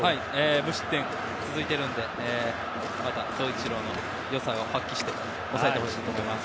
無失点続いているので颯一郎の良さを発揮して抑えてほしいと思います。